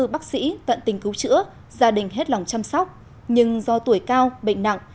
bác sĩ tận tình cứu chữa gia đình hết lòng chăm sóc nhưng do tuổi cao bệnh nặng